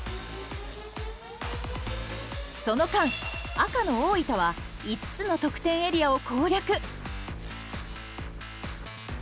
その間赤の大分は５つの得点エリアを攻略。